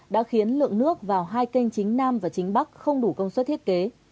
đã khiến lượng nước vào hai kênh chính nam và chính bắc không đủ công suất thiết kế